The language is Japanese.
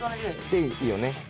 でいいよね。